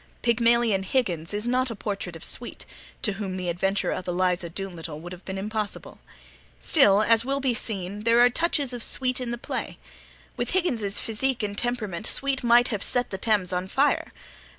Pygmalion Higgins is not a portrait of Sweet, to whom the adventure of Eliza Doolittle would have been impossible; still, as will be seen, there are touches of Sweet in the play. With Higgins's physique and temperament Sweet might have set the Thames on fire.